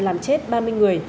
làm chết ba mươi người